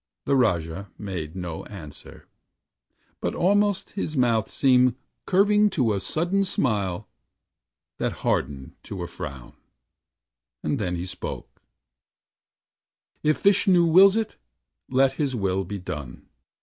The Rajah made no answer, but almost His mouth seemed curving to a sudden smile That hardened to a frown; and then he spoke: "If Vishnu wills it, let his will be done!